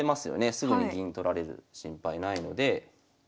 すぐに銀取られる心配ないので。